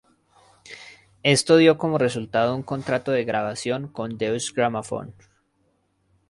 Esto dio como resultado un contrato de grabación con Deutsche Grammophon.